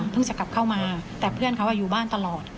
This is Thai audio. จะกลับเข้ามาแต่เพื่อนเขาอยู่บ้านตลอด